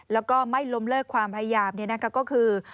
แล้วก็ไม่ล้มเลิกความพยายามก็คือ